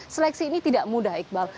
seleksi ini tidak mudah iqbal